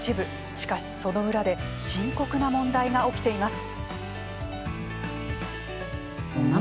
しかし、その裏で深刻な問題が起きています。